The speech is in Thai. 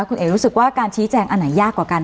คุณเอกรู้สึกว่าการชี้แจงอันไหนยากกว่ากัน